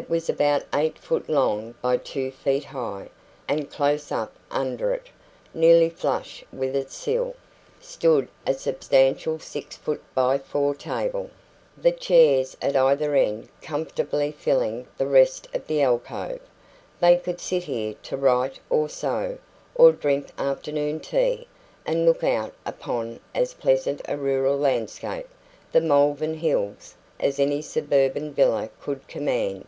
It was about eight feet long by two feet high, and close up under it, nearly flush with its sill, stood a substantial six foot by four table, the chairs at either end comfortably filling the rest of the alcove. They could sit here to write or sew, or drink afternoon tea, and look out upon as pleasant a rural landscape the Malvern Hills as any suburban villa could command.